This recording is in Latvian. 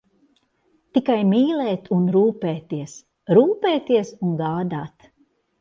Tikai mīlēt un rūpēties, rūpēties un gādāt.